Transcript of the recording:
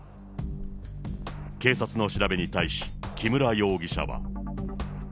警察の調べに対し、木村容疑者は。